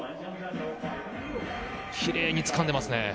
きれいにつかんでいますね。